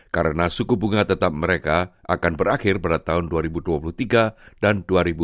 karena suku bunga tetap mereka akan berakhir pada tahun dua ribu dua puluh tiga dan dua ribu dua puluh empat